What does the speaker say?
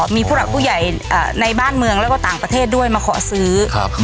มีผู้หลักผู้ใหญ่ในบ้านเมืองแล้วก็ต่างประเทศด้วยมาขอซื้อ